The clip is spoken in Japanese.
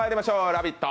「ラヴィット！」